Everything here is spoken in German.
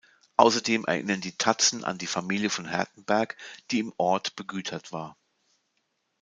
Außerdem erinnern die Tatzen an die Familie von Hertenberg, die im Ort begütert war.